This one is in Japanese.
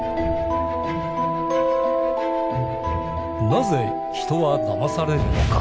なぜ人はダマされるのか。